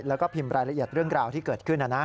แล้วก็พิมพ์รายละเอียดเรื่องราวที่เกิดขึ้น